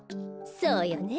そうよね。